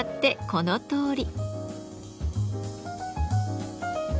このとおり。